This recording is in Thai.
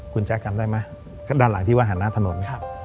คุณแจ๊คจำได้ไหมด้านหลังที่ว่าหันหน้าถนน